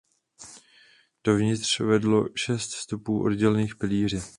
Dovnitř vedlo šest vstupů oddělených pilíři.